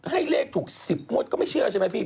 ให้เลขถูก๑๐งวดก็ไม่เชื่อใช่ไหมพี่